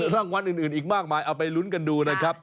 รางวัลอื่นอีกมากมายเอาไปลุ้นกันดูนะครับ